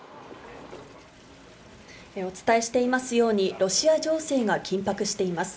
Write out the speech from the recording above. お伝えしていますように、ロシア情勢が緊迫しています。